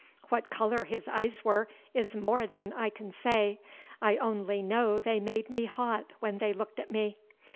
What color his eyes were is more than I can say; I only know they made me hot when they looked at me.